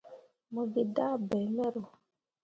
Mo gi dah bai mero.